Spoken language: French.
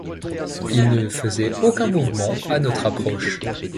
Ils ne faisaient aucun mouvement à notre approche.